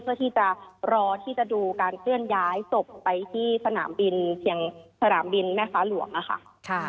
เพื่อที่จะรอที่จะดูการเคลื่อนย้ายสบไปที่สนามบินแม่ฟ้าหลวง